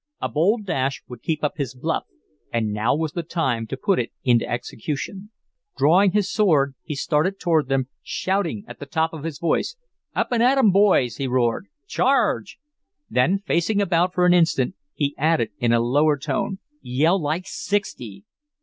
A bold dash would keep up his "bluff," and now was the time to put it into execution. Drawing his sword, he started toward them, shouting at the top of his voice: "Up and at 'em, boys!" he roared. "Charge!" Then facing about for an instant, he added in a lower tone: "Yell like sixty!"